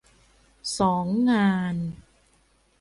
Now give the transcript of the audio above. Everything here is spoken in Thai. สอง งาน